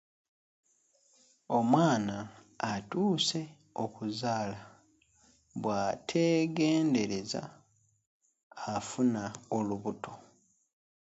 Omwana atuuse okuzaala bw'ateegendereza afuna olubuto.